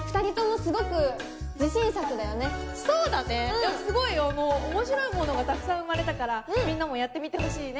いやすごいあのおもしろいものがたくさん生まれたからみんなもやってみてほしいね。